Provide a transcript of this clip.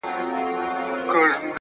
د زړې څوکۍ نرمښت د اوږدې ناستې کیسه لري.